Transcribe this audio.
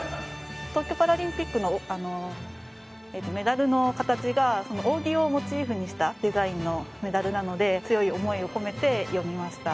東京パラリンピックのメダルの形が扇をモチーフにしたデザインのメダルなので強い思いを込めて詠みました。